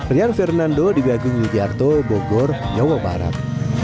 rian fernando di bagung yogyarto bogor jawa barat